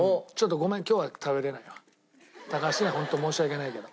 高橋にはホント申し訳ないけど。